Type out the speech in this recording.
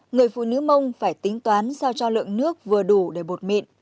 người phụ nữ mông phải tính toán sao cho lượng nước vừa đủ để bột mịn